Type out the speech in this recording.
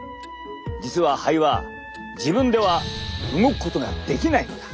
実は肺は自分では動くことができないのだ。